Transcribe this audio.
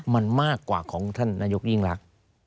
มันมากกว่าของท่านนายกยิ่งรัก